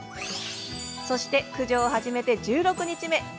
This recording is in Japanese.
そして駆除を始めて１６日目。